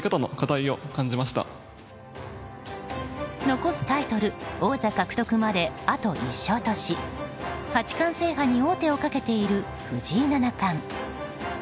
残すタイトル、王座獲得まであと１勝とし八冠制覇に王手をかけている藤井七冠。